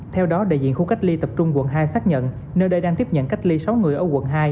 theo đó đại diện khu cách ly tập trung quận hai xác nhận nơi đây đang tiếp nhận cách ly sáu người ở quận hai